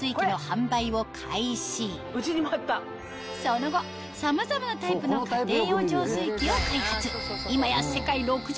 その後さまざまなタイプの家庭用浄水器を開発